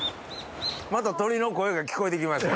また鳥の声が聞こえて来ました。